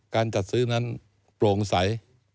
การจัดซื้อนั้นโปร่งใส